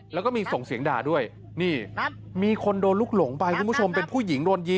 แล้วก็มีส่งเสียงด่าด้วย